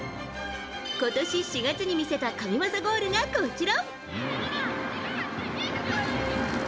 今年４月に見せた神技ゴールがこちら。